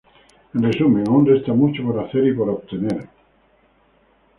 En resumen, aún resta mucho por hacer y por obtener.